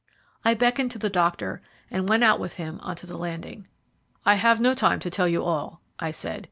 I beckoned to the doctor, and went out with him on to the landing. "I have no time to tell you all," I said.